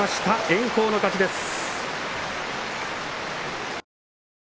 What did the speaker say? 炎鵬の勝ちです。